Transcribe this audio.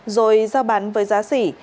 rồi giao bán với giá sỉ